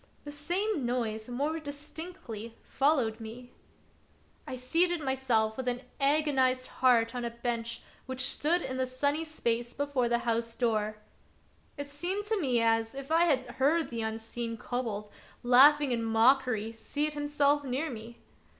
The same noise more distinctly fol lowed me. I seated myself with an agonized heart on a bench which stood in the sunny space before the house door. It seemed as. if I had heard the unseen kobold, laughing in mockery, seat himself near me.